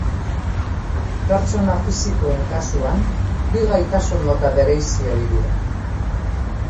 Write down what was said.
Pertsona fisikoen kasuan, bi gaitasun mota bereizi ohi dira.